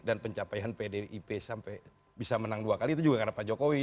dan pencapaian pdip sampai bisa menang dua kali itu juga karena pak jokowi